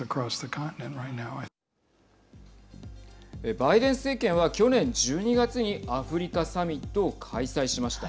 バイデン政権は去年１２月にアフリカサミットを開催しました。